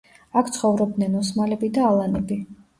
აქ ცხოვრობდნენ ოსმალები და ალანები.